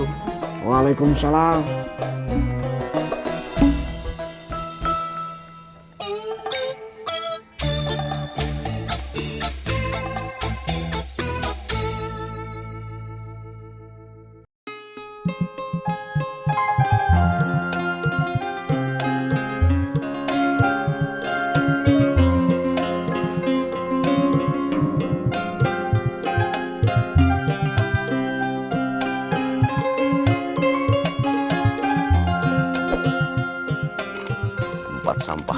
pasti undung undungnya tidak baik